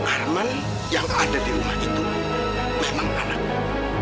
arman yang ada di rumah itu memang anakku